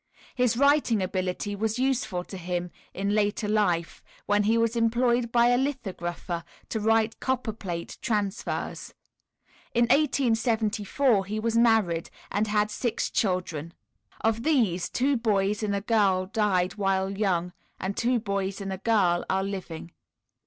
His writing ability was useful to him later in life, when he was employed by a lithographer, to write "copper plate" transfers. In 1874 he was married, and has had six children. Of these, two boys and a girl died while young, and two boys and a girl are living.